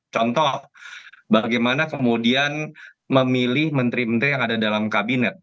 contoh bagaimana kemudian memilih menteri menteri yang ada dalam kabinet